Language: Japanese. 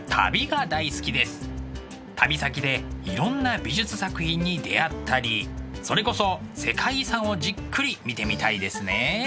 旅先でいろんな美術作品に出会ったりそれこそ世界遺産をじっくり見てみたいですね。